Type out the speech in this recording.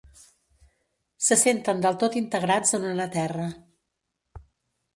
Se senten del tot integrats en una terra.